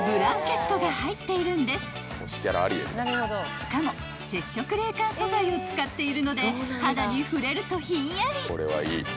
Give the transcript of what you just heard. ［しかも接触冷感素材を使っているので肌に触れるとひんやり］